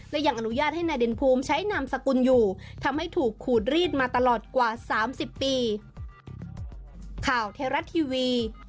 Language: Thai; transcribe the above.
และยังอนุญาตให้นายเด่นภูมิใช้นามสกุลอยู่ทำให้ถูกขูดรีดมาตลอดกว่า๓๐ปี